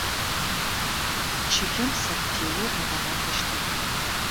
Чылэм сэхтеор ыгъэнафэщтыгъэ.